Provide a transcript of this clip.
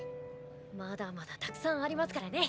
まだまだたくさんありますからね。